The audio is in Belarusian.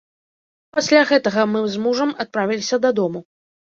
Толькі пасля гэтага мы з мужам адправіліся дадому.